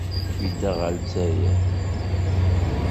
Yedda ɣer Lezzayer.